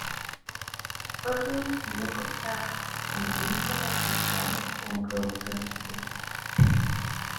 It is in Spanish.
Fue producido por Zappa, con Wilson acreditado como productor ejecutivo.